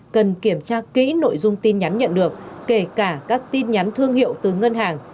cần kiểm tra kỹ nội dung tin nhắn nhận được kể cả các tin nhắn thương hiệu từ ngân hàng